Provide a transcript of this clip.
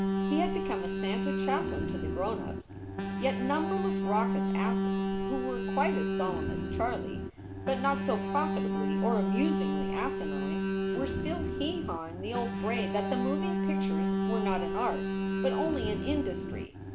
He had become a Santa Chaplin to the grown ups. Yet numberless raucous asses who were quite as solemn as Charlie, but not so profitably or amusingly asinine, were still hee hawing the old bray that the moving pictures were not an art, but only an industry.